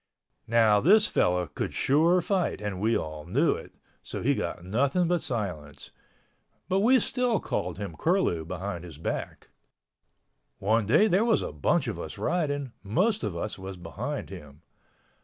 Now this fellow could sure fight and we all knew it, so he got nothing but silence—but we still called him Curlew behind his back. One day there was a bunch of us riding—most of us was behind him.